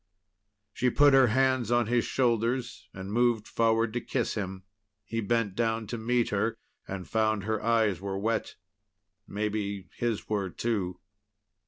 She put her hands on his shoulders and moved forward to kiss him. He bent down to meet her, and found her eyes were wet. Maybe his were, too.